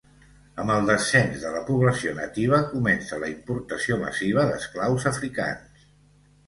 Amb el descens de la població nativa comença la importació massiva d'esclaus africans.